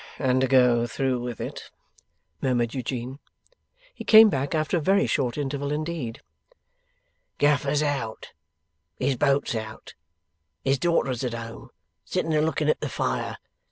and go through with it,' murmured Eugene. He came back after a very short interval indeed. 'Gaffer's out, and his boat's out. His daughter's at home, sitting a looking at the fire.